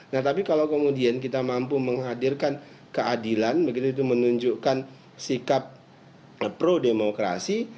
nah tapi kalau kemudian kita mampu menghadirkan keadilan begitu itu menunjukkan sikap pro demokrasi